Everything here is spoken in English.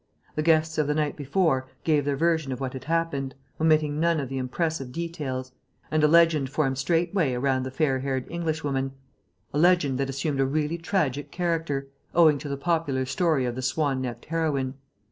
The guests of the night before gave their version of what had happened, omitting none of the impressive details; and a legend formed straightway around the fair haired Englishwoman, a legend that assumed a really tragic character, owing to the popular story of the swan necked heroine.